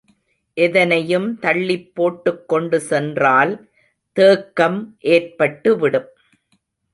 எதனையும் தள்ளிப் போட்டுக்கொண்டு சென்றால் தேக்கம் ஏற்பட்டுவிடும்.